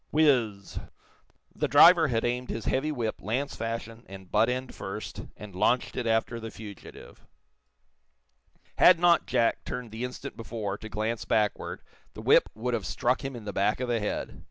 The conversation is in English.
Whizz zz! The driver had aimed his heavy whip, lance fashion, and butt end first, and launched it after the fugitive. Had not Jack turned the instant before, to glance backward, the whip would have struck him in the back of the head.